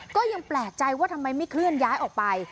ก็ยังแปลกใจว่าทำไมไม่เคลื่อนย้ายออกไป